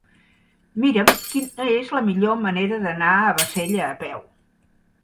Mira'm quina és la millor manera d'anar a Bassella a peu.